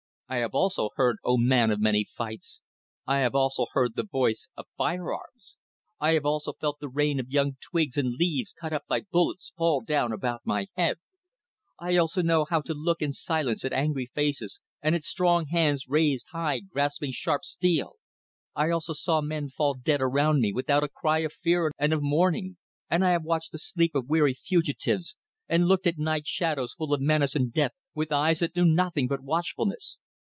I also have heard O man of many fights I also have heard the voice of fire arms; I also have felt the rain of young twigs and of leaves cut up by bullets fall down about my head; I also know how to look in silence at angry faces and at strong hands raised high grasping sharp steel. I also saw men fall dead around me without a cry of fear and of mourning; and I have watched the sleep of weary fugitives, and looked at night shadows full of menace and death with eyes that knew nothing but watchfulness.